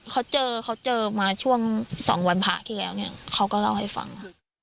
เขาเจอมาช่วงสองวันพระที่แล้วเขาก็เล่าให้ฟัง